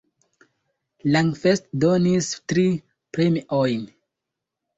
Langfest donis tri premiojn.